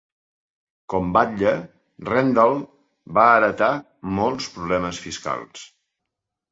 Com batlle, Rendell va heretar molts problemes fiscals.